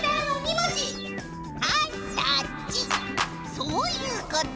そういうこと。